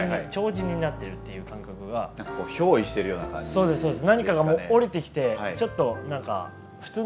そうですそうです。